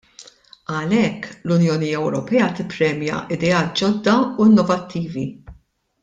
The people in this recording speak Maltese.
Għalhekk, l-Unjoni Ewropea tippremja ideat ġodda u innovattivi.